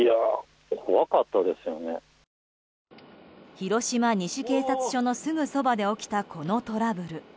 広島西警察署のすぐそばで起きたこのトラブル。